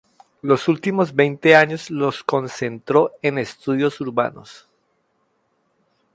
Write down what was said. Los últimos veinte años los concentró en estudios urbanos.